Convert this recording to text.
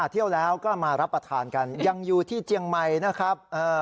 เที่ยวแล้วก็มารับประทานกันยังอยู่ที่เจียงใหม่นะครับ